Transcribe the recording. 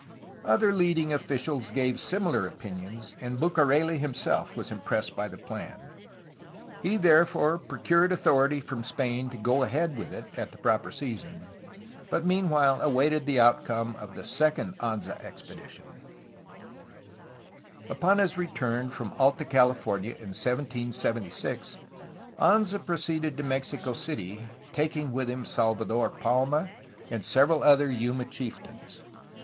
Other leading officials gave similar opinions, and Bucareli himself was impressed by the plan. He therefore procured authority from Spain to go ahead with it at the proper season, but meanwhile awaited the outcome of the second Anza expedition. COMMANDANCY GENERAL OF FRONTIER PROVINCES 3X9 Upon his return from Alta California in 1776, Anza pro ceeded to Mexico City, taking with him Salvador Palma and several other Yuma chieftains.